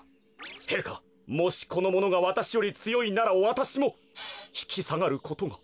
へいかもしこのものがわたしよりつよいならわたしもひきさがることが。